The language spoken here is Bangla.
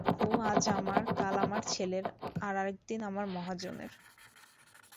ও আজ আমার, কাল আমার ছেলের, আর-একদিন আমার মহাজনের।